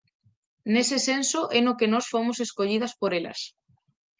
Nese senso é no que nós fomos escollidas por elas.